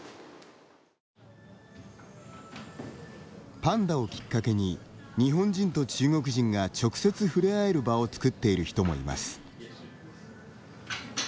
パンダをきっかけに日本人と中国人が直接触れ合える場を作っている人もいます。